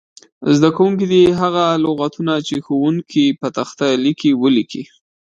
زده کوونکي دې هغه لغتونه چې ښوونکی په تخته لیکي ولیکي.